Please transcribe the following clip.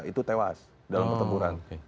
itu tewas dalam pertempuran